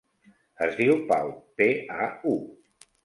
Es diu Pau: pe, a, u.